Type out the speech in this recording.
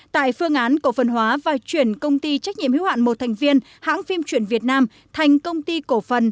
tại phương án cổ phân hóa và chuyển công ty trách nhiệm hưu hạn một thành viên hãng phim truyện việt nam thành công ty cổ phân